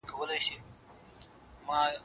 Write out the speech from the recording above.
ټکنالوژي نوښت او خلاقيت ته په ټولنه کې وده ورکوي.